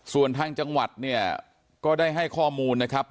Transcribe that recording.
ส่วนทางจังหวัดเนี่ยก็ได้ให้ข้อมูลนะครับ